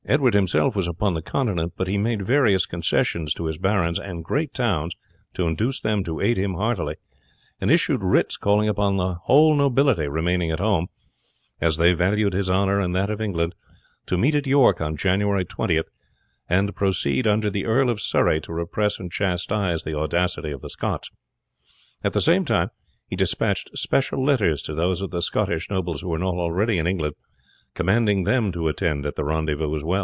He himself was upon the Continent, but he made various concessions to his barons and great towns to induce them to aid him heartily, and issued writs calling upon the whole nobility remaining at home, as they valued his honour and that of England, to meet at York on January 20th, "and proceed under the Earl of Surrey to repress and chastise the audacity of the Scots." At the same time he despatched special letters to those of the Scottish nobles who were not already in England, commanding them to attend at the rendezvous.